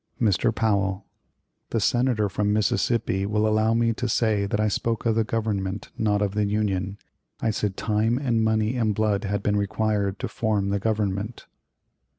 Mr. Powell: "The Senator from Mississippi will allow me to say that I spoke of the Government, not of the Union. I said time and money and blood had been required to form the Government."